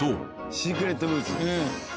シークレットブーツ。